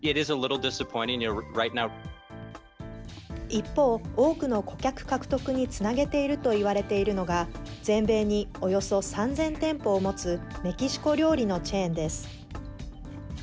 一方、多くの顧客獲得につなげているといわれているのが、全米におよそ３０００店舗を持つ、メキシコ料理のチェーンです。